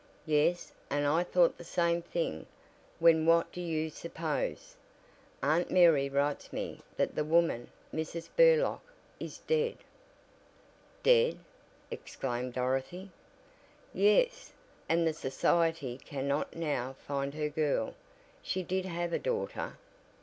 "Yes, and I thought the same thing when what do you suppose? Aunt Mary writes me that the woman Mrs. Burlock is dead!" "Dead!" exclaimed Dorothy. "Yes, and the society cannot now find her girl she did have a daughter."